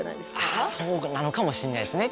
ああそうなのかもしれないですね。